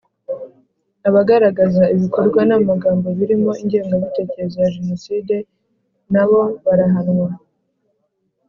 Abagaragaza ibikorwa namagambo birimo ingengabitekerezo ya jenoside nabo barahanwa